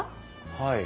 はい。